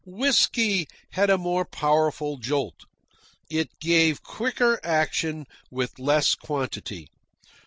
Whisky had a more powerful jolt. It gave quicker action with less quantity.